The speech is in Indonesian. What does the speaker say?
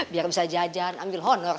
biar bisa jajan ambil honor